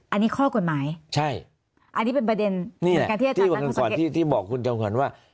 อันนี้ข้อกฎหมายอันนี้เป็นประเด็นเหมือนกันที่อาจารย์นั้นคุณสังเกตใช่นี่แหละที่บอกคุณจังขวัญว่า